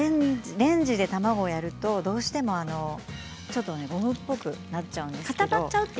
レンジでやるとどうしてもゴムっぽくなっちゃうんですね。